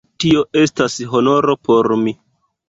Tio estas honoro por mi.